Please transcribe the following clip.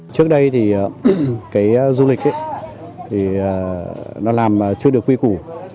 trước đây thì cái du lịch thì nó làm chưa được quy củ